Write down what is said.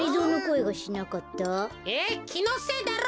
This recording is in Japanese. えっ？きのせいだろ。